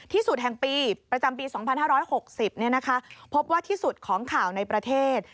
ที่สุดแห่งปีประจำปี๒๕๖๐พบว่าที่สุดของข่าวในประเทศ